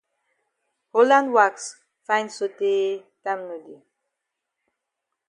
Holland wax fine sotay time no dey.